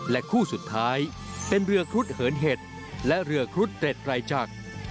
คู่สุดท้ายเป็นเรือครุฑเหินเห็ดและเรือครุฑเตร็ดไตรจักร